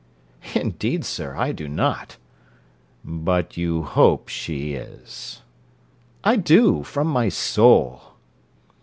'Indeed, sir, I do not.' 'But you hope she is.' 'I do, from my soul.'